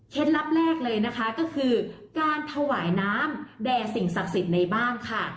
ลับแรกเลยนะคะก็คือการถวายน้ำแด่สิ่งศักดิ์สิทธิ์ในบ้านค่ะ